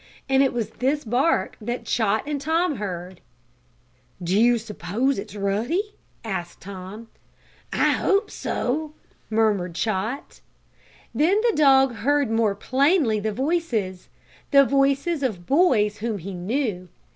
And it was this bark that Chot and Tom heard. "Do you s'pose it is Ruddy?" asked Tom. "I hope so," murmured Chot. Then the dog heard more plainly the voices the voices of boys whom he knew.